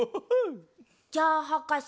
じゃあはかせ。